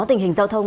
tăng hơn và tăng hơn